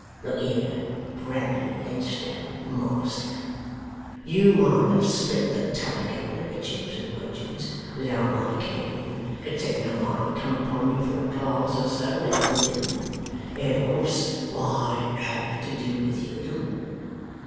Look here, Bradley Headstone, Master. You might have split the T'other governor to chips and wedges, without my caring, except that I might have come upon you for a glass or so now and then. Else why have to do with you at all?